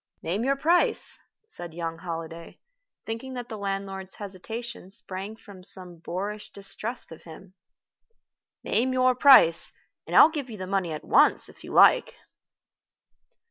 "Name your price," said young Holliday, thinking that the landlord's hesitation sprang from some boorish distrust of him. "Name your price, and I'll give you the money at once, if you like."